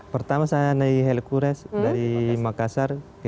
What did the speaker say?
pertama saya naik hercules dari makassar ke